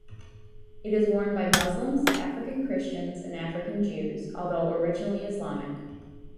It is worn by Muslims, African Christians and African Jews, although originally Islamic.